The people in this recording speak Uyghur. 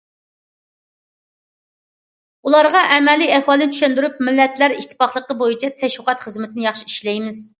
ئۇلارغا ئەمەلىي ئەھۋالنى چۈشەندۈرۈپ، مىللەتلەر ئىتتىپاقلىقى بويىچە تەشۋىقات خىزمىتىنى ياخشى ئىشلەيمىز.